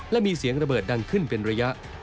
และมีเสียงระเบิดดังขึ้นเป็นระยะ